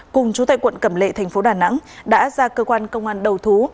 cùng chú tại quận cẩm lệ thành phố đà nẵng đã ra cơ quan công an đầu thú